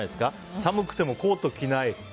寒くてもコートを着ない。